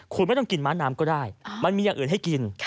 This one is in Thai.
คุณไม่ต้องกินม้าน้ำก็ได้มันมีอย่างอื่นให้กิน